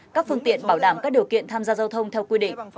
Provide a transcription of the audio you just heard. các phương tiện bảo đảm các điều kiện tham gia giao thông theo quy định